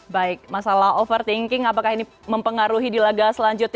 baik masalah overthinking apakah ini mempengaruhi di laga selanjutnya